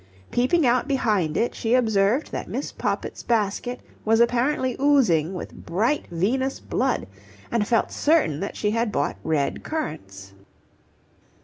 Peeping out behind it, she observed that Miss Poppit's basket was apparently oozing with bright venous blood, and felt certain that she had bought red currants.